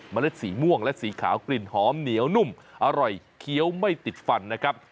เล็ดสีม่วงและสีขาวกลิ่นหอมเหนียวนุ่มอร่อยเคี้ยวไม่ติดฟันนะครับ